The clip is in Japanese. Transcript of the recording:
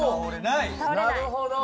なるほど。